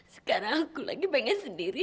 sekarang aku lagi pengennya sendiri